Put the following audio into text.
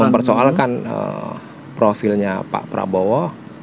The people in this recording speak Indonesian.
mempersoalkan profilnya pak prabowo